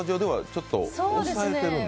ちょっと抑えてるんだ。